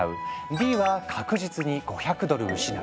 Ｄは確実に５００ドル失う。